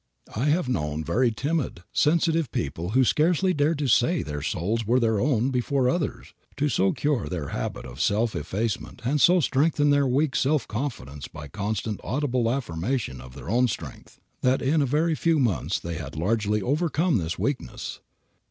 I have known very timid, sensitive people who scarcely dared to say their souls were their own before others, to so cure their habit of self effacement and so strengthen their weak self confidence by constant audible affirmation of their own strength, that in a very few months they had largely overcome this weakness.